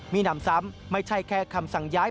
มีหนำซ้ำไม่ใช่แค่คำสั่งย้าย